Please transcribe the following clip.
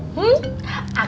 mamah sama cucu panen